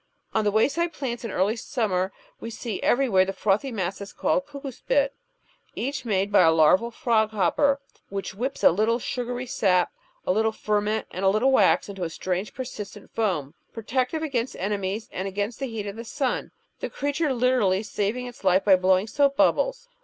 On wayside plants in early summer we see everywhere the frothy masses called cuckoo spit, each made by a larval frog hopper which whips a little sugary sap, a little fer ment, and a little wax into a strange persistent foam, pro tective against enemies and against the heat of the sun, the creature literally saving its life by blowing soap bubbles.